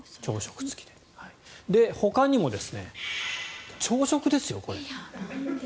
ほかにも朝食ですよ、これ。